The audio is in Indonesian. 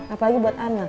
apalagi buat anak